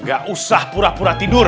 gak usah pura pura tidur